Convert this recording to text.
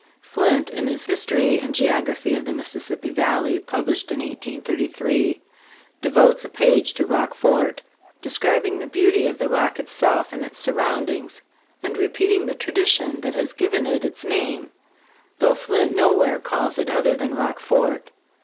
Flint in his " History and Geography of the Mississippi Valley," published in 1833, devotes a page to "Rock Fort," describing the beauty of the Rock 66 STARVED ROCK: A HISTORICAL SKETCH. itself and its surroundings and repeating the tradition that has given it its name, though Flint nowhere calls it other than " Rock Fort."